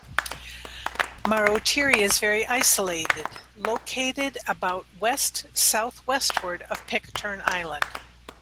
Marotiri is very isolated, located about west-south-westward of Pitcairn Island.